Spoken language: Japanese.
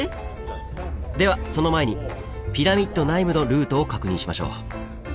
ではその前にピラミッド内部のルートを確認しましょう。